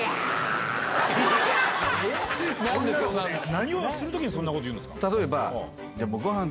何をする時にそんなこと言うんですか？